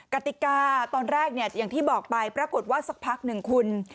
กติกาตอนแรกเนี่ยอย่างที่บอกไปปรากฏว่าสักพักหนึ่งคุณ